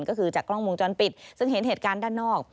ก็คือจากกล้องวงจรปิดซึ่งเห็นเหตุการณ์ด้านนอก